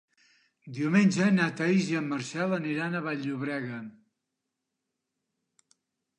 Diumenge na Thaís i en Marcel aniran a Vall-llobrega.